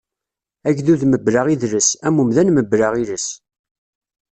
Agdud mebla idles, am umdan mebla iles.